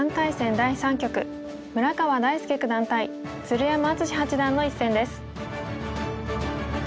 第３局村川大介九段対鶴山淳志八段の一戦です。